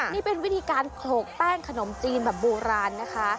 นี่เป็นวิธีการโขลกแป้งขนมจีนแบบโบราณนะคะ